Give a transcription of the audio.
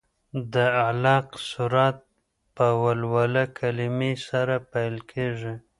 د علق سورت په ولوله کلمې سره پیل کېږي.